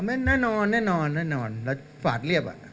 อ๋อแม่งแน่นอนแล้วฝาดเรียบอ่ะ